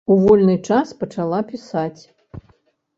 У вольны час пачала пісаць.